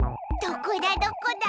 どこだどこだ？